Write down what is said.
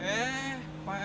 udah sus teraduk